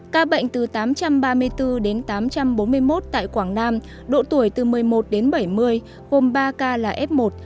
ca bệnh từ tám trăm ba mươi bốn đến tám trăm bốn mươi một tại quảng nam độ tuổi từ một mươi một đến bảy mươi gồm ba ca là f một